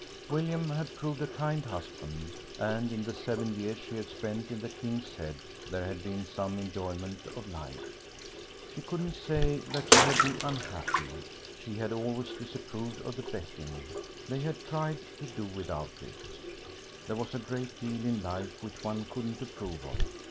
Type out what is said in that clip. William had proved a kind husband, and in the seven years she had spent in the "King's Head" there had been some enjoyment of life. She couldn't say that she had been unhappy. She had always disapproved of the betting. They had tried to do without it. There was a great deal in life which one couldn't approve of.